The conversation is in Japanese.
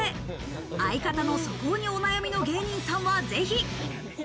相方の素行にお悩みの芸人さんはぜひ。